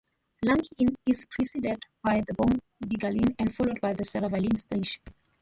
The Langhian is preceded by the Burdigalian and followed by the Serravallian stage.